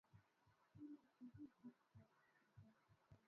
Miti ya misiliza hutumika kama dawa kuondoa minyoo tumboni